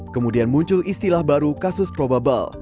kemudian muncul istilah baru kasus probable